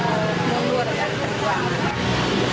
karena mereka tidak salah